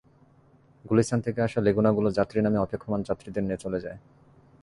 গুলিস্তান থেকে আসা লেগুনাগুলো যাত্রী নামিয়ে অপেক্ষমাণ যাত্রীদের নিয়ে চলে যায়।